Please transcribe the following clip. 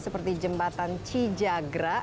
seperti jembatan cijagra